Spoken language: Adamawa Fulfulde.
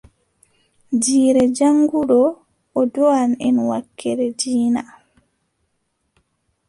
Jiire jaŋnguɗo, o ɗowan en wakkeere diina.